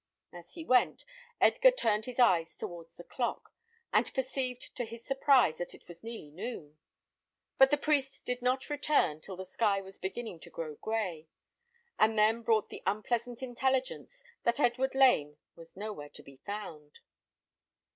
As he went, Edgar turned his eyes towards the clock, and perceived to his surprise that it was nearly noon; but the priest did not return till the sky was beginning to grow gray, and then brought the unpleasant intelligence that Edward Lane was nowhere to be found.